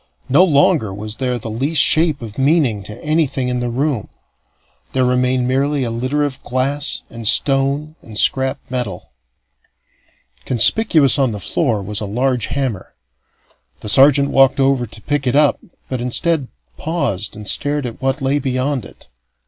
No longer was there the least shape of meaning to anything in the room; there remained merely a litter of glass and stone and scrap metal. Conspicuous on the floor was a large hammer. The sergeant walked over to pick it up, but, instead, paused and stared at what lay beyond it.